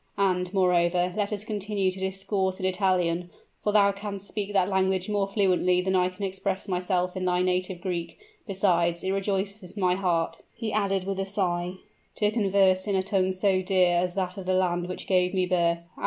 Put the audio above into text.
And, moreover, let us continue to discourse in Italian; for thou canst speak that language more fluently than I can express myself in thy native Greek; besides, it rejoices my heart," he added with a sigh, "to converse in a tongue so dear as that of the land which gave me birth.